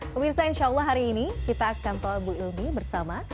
pemirsa insya allah hari ini kita akan tol bu ilmi bersama